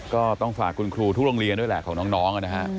ก็ต้องฝากคุณครูทุกโรงเรียนด้วยแหละของน้องนะฮะ